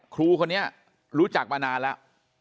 ครูคนนี้รู้จักมานานแล้ว